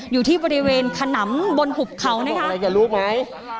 อยู่ที่บริเวณขนำบนหุบเขานะคะอะไรจะรู้ไหม